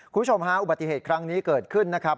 คุณผู้ชมฮะอุบัติเหตุครั้งนี้เกิดขึ้นนะครับ